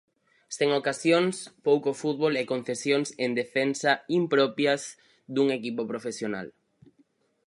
Sen ocasións, pouco fútbol e concesións en defensa impropias dun equipo profesional.